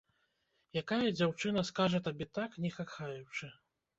Якая дзяўчына скажа табе так, не кахаючы?